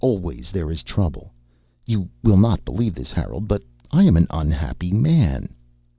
Always there is trouble. You will not believe this, Harold, but I am an unhappy man."